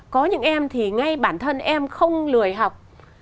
có những em thì ngay bản thân em không lười học